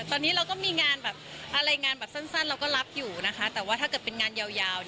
ตอนนี้เราก็มีงานแบบอะไรงานแบบสั้นเราก็รับอยู่นะคะ